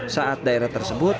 saat daerah tersebut